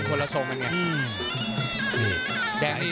นักมวยจอมคำหวังเว่เลยนะครับ